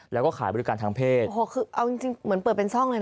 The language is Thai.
แล้วก็ขายบริการทางเพศโอ้โหคือเอาจริงจริงเหมือนเปิดเป็นซ่องเลยนะ